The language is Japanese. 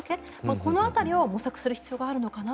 この辺りを模索する必要があるのかなと。